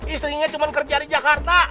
istrinya cuma kerja di jakarta